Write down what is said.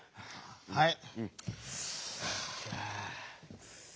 はい。